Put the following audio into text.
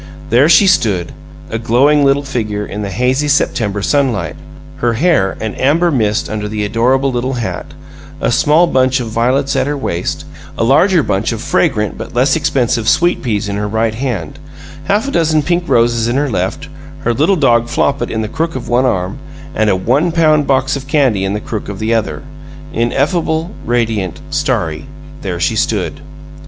There she stood a glowing little figure in the hazy September sunlight, her hair an amber mist under the adorable little hat; a small bunch of violets at her waist; a larger bunch of fragrant but less expensive sweet peas in her right hand; half a dozen pink roses in her left; her little dog Flopit in the crook of one arm; and a one pound box of candy in the crook of the other ineffable, radiant, starry, there she stood!